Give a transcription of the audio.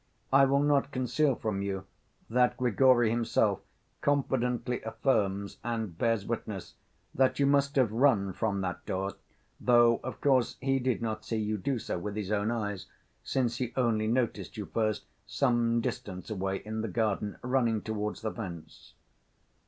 I will not conceal from you that Grigory himself confidently affirms and bears witness that you must have run from that door, though, of course, he did not see you do so with his own eyes, since he only noticed you first some distance away in the garden, running towards the fence."